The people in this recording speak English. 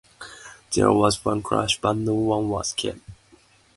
There was one crash, but no one was killed.